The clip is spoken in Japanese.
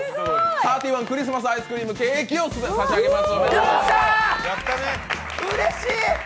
サーティワン、クリスマスパーティーセットを差し上げます。